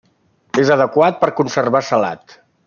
És adequat per conservar salat.